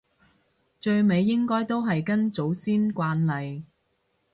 最尾應該都係跟祖先慣例